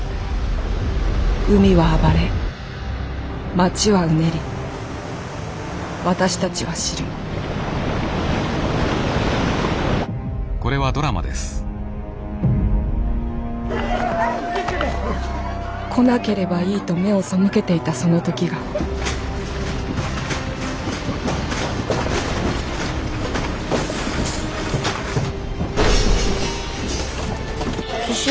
海は暴れ街はうねり私たちは知る来なければいいと目を背けていたその時が地震？